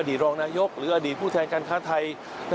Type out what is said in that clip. รองนายกหรืออดีตผู้แทนการค้าไทย